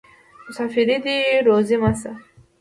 مسافري دې روزي مه شه.